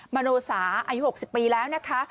มโนสาอายุ๖๐ปีแล้วนะคะ